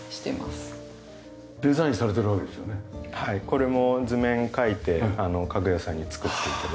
これも図面描いて家具屋さんに作って頂いて。